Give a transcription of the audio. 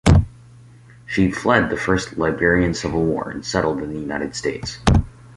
She fled the First Liberian Civil War and settled in the United States.